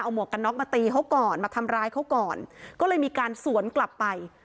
หวกกันน็อกมาตีเขาก่อนมาทำร้ายเขาก่อนก็เลยมีการสวนกลับไป